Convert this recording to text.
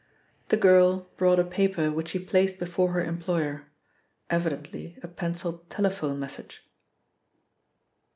The girl brought a paper which she placed before her employer evidently a pencilled telephone message.